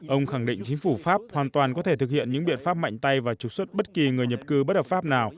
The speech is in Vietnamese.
ông khẳng định chính phủ pháp hoàn toàn có thể thực hiện những biện pháp mạnh tay và trục xuất bất kỳ người nhập cư bất hợp pháp nào